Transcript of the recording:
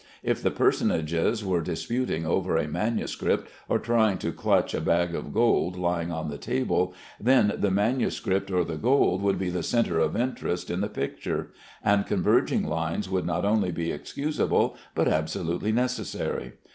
If the personages were disputing over a manuscript, or trying to clutch a bag of gold lying on the table, then the manuscript or the gold would be the centre of interest in the picture; and converging lines would not only be excusable, but absolutely necessary.